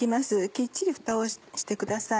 きっちりフタをしてください。